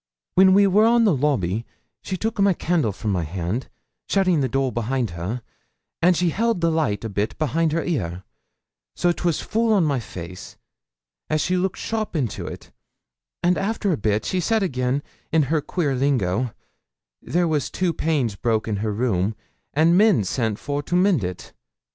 'When we were on the lobby, she took my candle from my hand, shutting the door behind her, and she held the light a bit behind her ear; so'twas full on my face, as she looked sharp into it; and, after a bit, she said again, in her queer lingo there was two panes broke in her room, and men sent for to mend it.